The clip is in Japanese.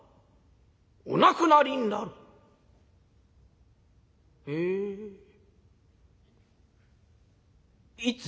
お亡くなりになるへえ。いつ？」。